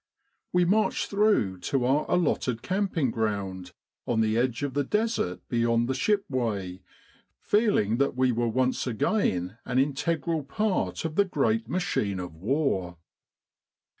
We marched through to our allotted camping ground on the edge of the Desert 89 With the R.A.M.C. in Egypt beyond the shipway, feeling that we were once again an integral part of the great machine of war.